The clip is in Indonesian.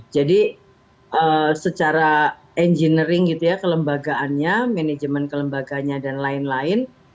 jadi secara engineering gitu ya kelembagaannya manajemen kelembaganya dan lain lain